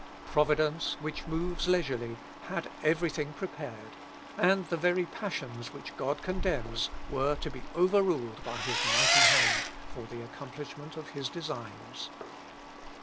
Providence, which moves leisurely, had every thing prepared, and the very passions which God condemns were to be overruled by his mighty hand for the accomplishment of his designs.